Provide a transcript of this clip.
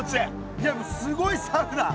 いやすごいサウナ。